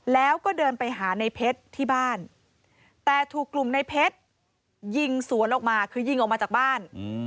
แล้วก็เดินไปหาในเพชรที่บ้านแต่ถูกกลุ่มในเพชรยิงสวนออกมาคือยิงออกมาจากบ้าน